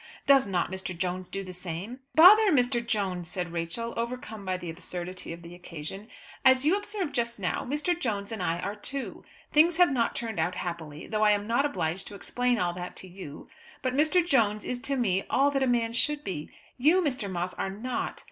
Did not Mr. Jones do the same?" "Bother Mr. Jones!" said Rachel, overcome by the absurdity of the occasion. "As you observed just now, Mr. Jones and I are two. Things have not turned out happily, though I am not obliged to explain all that to you. But Mr. Jones is to me all that a man should be; you, Mr. Moss, are not.